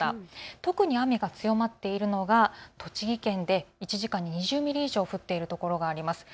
特に雨が強まっているのが栃木県で１時間に２０ミリ以上降っている所があります。